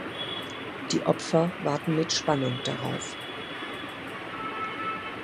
Die Opfer warten mit Spannung darauf.